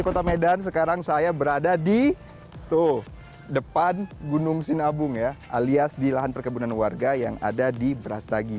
kota medan sekarang saya berada di depan gunung sinabung ya alias di lahan perkebunan warga yang ada di brastagi